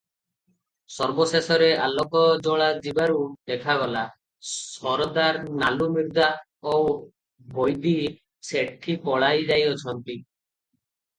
ସର୍ବଶେଷରେ ଆଲୋକ ଜଳା ଯିବାରୁ ଦେଖାଗଲା, ସରଦାର ନାଲୁମିର୍ଦ୍ଧା ଓ ବୈଦି ଶେଠୀ ପଳାଇ ଯାଇଅଛନ୍ତି ।